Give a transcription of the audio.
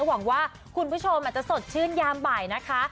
หวังว่าคุณผู้ชมอาจจะสดชื่นยามบ่ายนะคะ